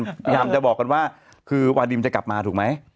พยายามจะบอกกันว่าคือวาดิมจะกลับมาถูกไหม